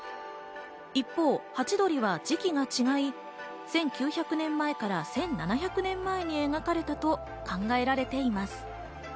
一方、ハチドリは時期が違い、１９００年前から１７００年前に描かれたと考えられています。